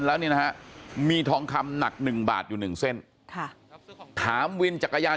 แล้วนี่นะฮะมีทองคำหนัก๑บาทอยู่๑เส้นถามวินจักรยาน